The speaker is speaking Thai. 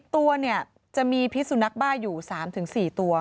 ๑๐ตัวจะมีพิษสุนัขบ้าอยู่๓๔ตัว